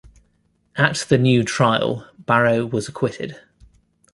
At the new trial, Barrow was acquitted.